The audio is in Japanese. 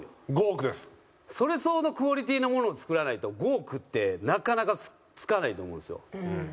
それ相応のクオリティーのものを作らないと５億ってなかなか付かないと思うんですよ。